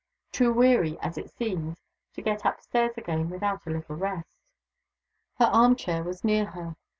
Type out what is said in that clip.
Too weary, as it seemed, to get up stairs again without a little rest. Her arm chair was near her.